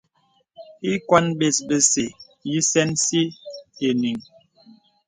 Ìkwan bes bə̀sɛ̀ yì sɛnsi ìyìŋ.